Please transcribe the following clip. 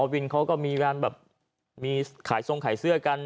วินเขาก็มีการแบบมีขายทรงขายเสื้อกัน